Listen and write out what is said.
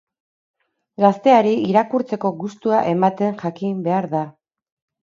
Gazteari irakurtzeko gustua ematen jakin behar da.